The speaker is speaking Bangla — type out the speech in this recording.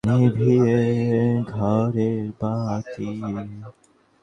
তো সত্যিকারের সামুরাই হতে পেরে কেমন লাগছে?